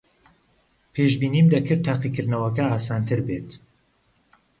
پێشبینیم دەکرد تاقیکردنەوەکە ئاسانتر بێت.